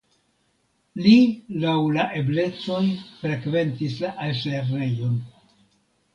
Li laŭ la eblecoj frekventis la altlernejon.